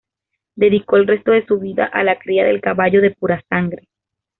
Dedicó el resto de su vida a la cría del caballo de pura sangre.